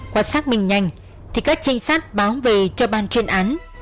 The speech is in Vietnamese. qua xác minh nhanh thì các trinh sát báo về cho ban chuyên án